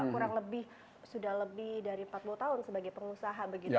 kurang lebih sudah lebih dari empat puluh tahun sebagai pengusaha begitu ya